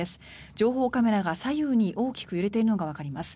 情報カメラが大きく揺れているのがわかります。